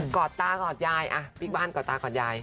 กอดตากอดยายปิ๊กบ้านกอดตากอดยาย